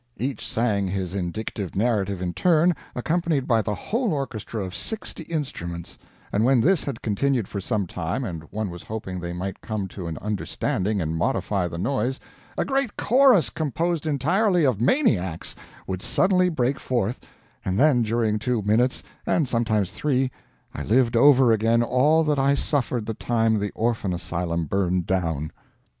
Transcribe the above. Each sang his indictive narrative in turn, accompanied by the whole orchestra of sixty instruments, and when this had continued for some time, and one was hoping they might come to an understanding and modify the noise, a great chorus composed entirely of maniacs would suddenly break forth, and then during two minutes, and sometimes three, I lived over again all that I suffered the time the orphan asylum burned down.